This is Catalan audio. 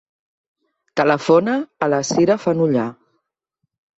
Telefona a la Sira Fenollar.